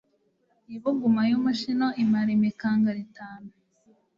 Ibuguma y’umushino imira imikangara itanu